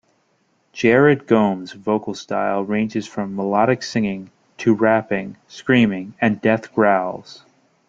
Jared Gomes' vocal style ranges from melodic singing to rapping, screaming, and death growls.